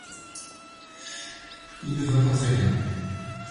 Il ne va pas très bien.